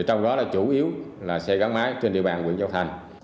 trong đó là chủ yếu là xe gắn máy trên địa bàn huyện châu thành